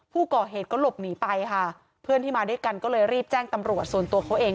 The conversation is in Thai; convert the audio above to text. ผู้ก่อเหตุก็หลบหนีไปค่ะเพื่อนที่มาด้วยกันก็เลยรีบแจ้งตำรวจส่วนตัวเขาเอง